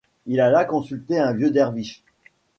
Il alla consulter un vieux derviche.